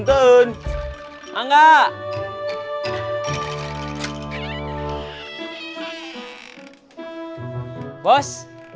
di dalam kemasan saset